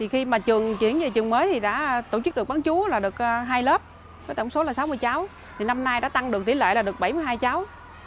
khi mà trường chuyển về trường mới thì đã tổ chức được bán chú là được hai lớp với tổng số là sáu mươi cháu thì năm nay đã tăng được tỷ lệ là được bảy mươi hai cháu